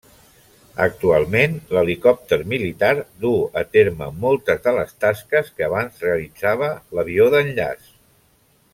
Actualment, l'helicòpter militar duu a terme moltes de les tasques que abans realitzava l'avió d'enllaç.